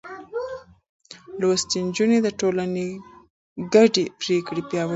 لوستې نجونې د ټولنې ګډې پرېکړې پياوړې کوي.